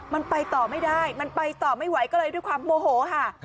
มันไปต่อไม่ได้มันไปต่อไม่ไหวก็เลยด้วยความโมโหค่ะ